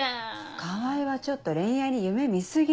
川合はちょっと恋愛に夢見過ぎ。